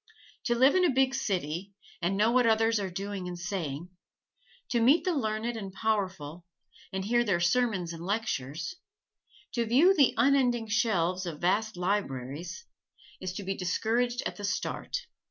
To live in a big city and know what others are doing and saying; to meet the learned and powerful, and hear their sermons and lectures; to view the unending shelves of vast libraries is to be discouraged at the start.